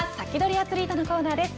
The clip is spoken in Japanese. アツリートのコーナーです。